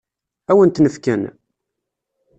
Ad wen-ten-fken?